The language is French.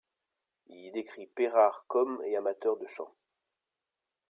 Il y décrit Peyrard comme et amateur de chants.